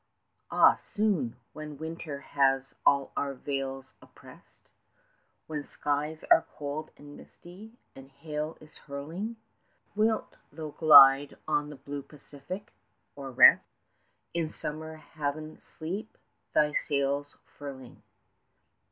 Ah! soon, when Winter has all our vales opprest, 5 When skies are cold and misty, and hail is hurling, Wilt thou glide on the blue Pacific, or rest In a summer haven asleep, thy white sails furling.